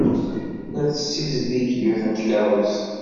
La tessizdig yiwet n tkeṛṛust.